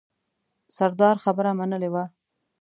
سردار خبره منلې وه.